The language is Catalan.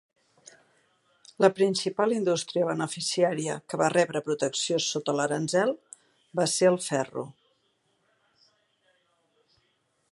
La principal indústria beneficiària que va rebre protecció sota l'aranzel va ser el ferro.